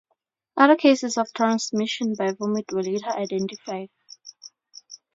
Other cases of transmission by vomit were later identified.